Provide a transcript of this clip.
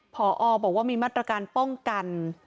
พอบอกว่ามีมาตรการป้องกัน